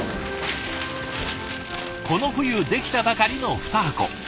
この冬出来たばかりの２箱。